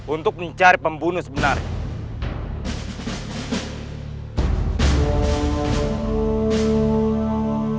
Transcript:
untuk mencari pembunuh sebenarnya